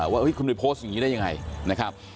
ว่าคุณไปโพสต์อย่างนี้ได้ยังไงนะครับ